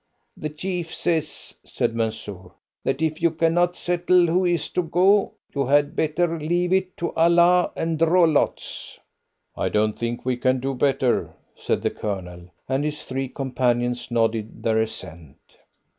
"The chief says," said Mansoor, "that if you cannot settle who is to go, you had better leave it to Allah and draw lots." "I don't think we can do better," said the Colonel, and his three companions nodded their assent.